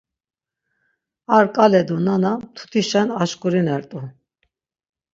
Ar ǩale do nana mtutişen aşǩurinert̆u.